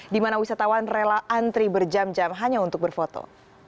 di mana wisatawan rela antri berjam jam hanya untuk berfoto